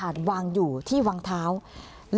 อันดับที่สุดท้าย